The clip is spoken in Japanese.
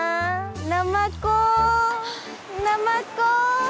なまこなまこ。